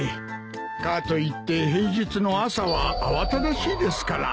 かと言って平日の朝は慌ただしいですから。